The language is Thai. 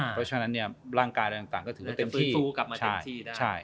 เพราะฉะนั้นเนี่ยร่างกายต่างก็ถือเต็มที่